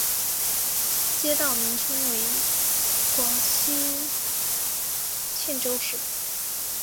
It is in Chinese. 街道名称取自广西的钦州市。